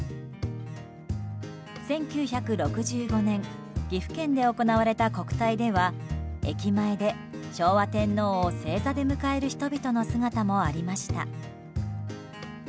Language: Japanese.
１９６５年岐阜県で行われた国体では駅前で、昭和天皇を正座で迎える人々の姿もありました。